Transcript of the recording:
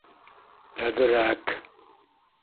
Әҙерәк...